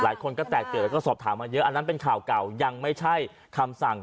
หลายคนก็แตกตื่นแล้วก็สอบถามมาเยอะอันนั้นเป็นข่าวเก่ายังไม่ใช่คำสั่ง